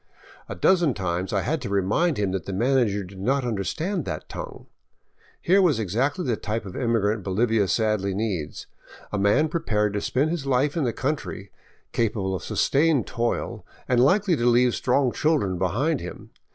A dozen times I had to remind him that the manager did not understand that tongue. Here was exactly the type of immigrant Bolivia sadly needs, a man prepared to spend his life in the country, capable of sustained toil, and likely to leave strong chil dren behind him.